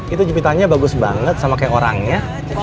itu di titanya bagus banget sama kayak orangnya